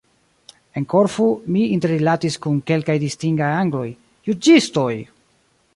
En Korfu, mi interrilatis kun kelkaj distingaj Angloj: juĝistoj!